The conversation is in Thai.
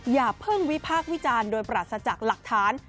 อย่าเพิ่งวิพากษ์วิจารณ์โดยปราศจากหลักฐาน